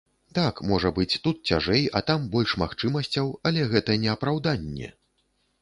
Так, можа быць, тут цяжэй, а там больш магчымасцяў, але гэта не апраўданне!